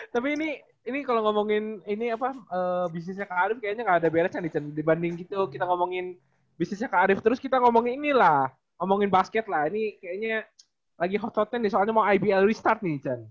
tapi ini ini kalo ngomongin bisnisnya kak arief kayaknya nggak ada beres kan dicen dibanding gitu kita ngomongin bisnisnya kak arief terus kita ngomongin ini lah ngomongin basket lah ini kayaknya lagi hot hotnya nih soalnya mau ibl restart nih dicen